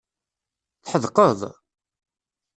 Tḥedqeḍ?